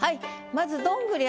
まず「どんぐり」